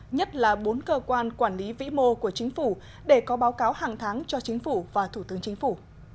nhất là bốn cơ quan quản lý vĩ mô của chính phủ để có báo cáo hàng tháng cho chính phủ và thủ tướng chính phủ